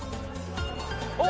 お！